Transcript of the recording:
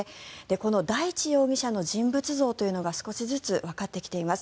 この大地容疑者の人物像というのが少しずつわかってきています。